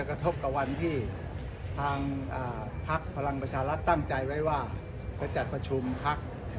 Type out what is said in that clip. กระทบกับวันที่ทางพักพลังประชารัฐตั้งใจไว้ว่าจะจัดประชุมพัก